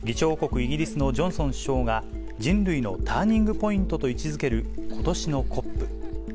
イギリスのジョンソン首相が、人類のターニングポイントと位置づけることしのＣＯＰ。